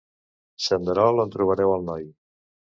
Senderol on trobareu el noi.